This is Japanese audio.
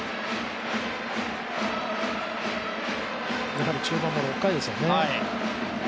やはり中盤の６回ですよね。